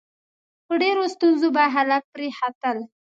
په ډېرو ستونزو به خلک پرې ختل.